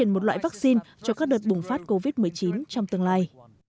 đây là một loại vaccine cho các đợt bùng phát covid một mươi chín trong tương lai